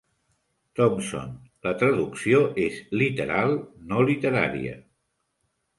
Thomson; la traducció és literal, no literària.